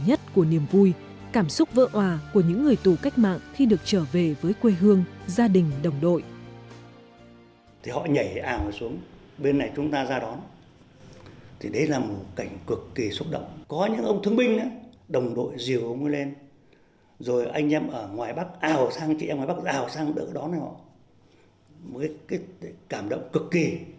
nhất của niềm vui cảm xúc vỡ hòa của những người tù cách mạng khi được trở về với quê hương gia đình đồng đội